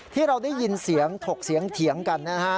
ที่เราได้ยินเสียงถกเสียงเถียงกันนะฮะ